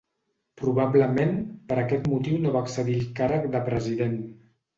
Probablement per aquest motiu no va accedir al càrrec de President.